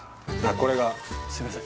これがすいません